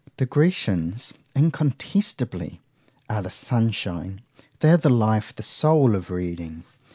Digressions, incontestably, are the sunshine;——they are the life, the soul of reading!